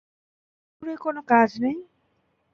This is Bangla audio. সেল্লুরে কোনো কাজ নেই?